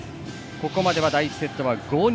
ここまでは第１セットは５−２。